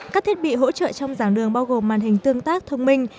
các thiết bị hỗ trợ trong giảng đường bao gồm màn hình tương tác thông minh